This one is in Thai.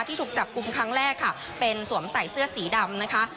ถูกจับกลุ่มครั้งแรกค่ะเป็นสวมใส่เสื้อสีดำนะคะ